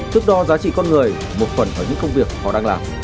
thước đo giá trị con người một phần ở những công việc họ đang làm